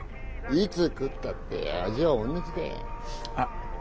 いつ食ったって味は同じだよ。